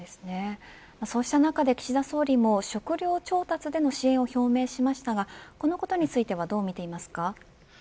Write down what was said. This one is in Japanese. そうした中で岸田総理も食料調達での支援を表明しましたがこのことについてはどう見ていますか。